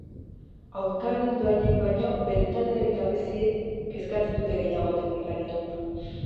Aurkariaren dohainek baino bere taldearen gabeziek kezkatzen dute gehiago teknikaria.